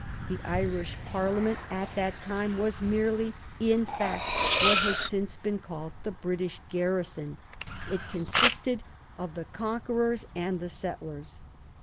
The Irish Parliament at that time was^ merely in fact what has since been called the British garrison ; it consisted of the conquerors and the settlers.